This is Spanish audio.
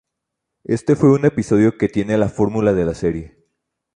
Este fue un episodio que tiene la fórmula de la serie.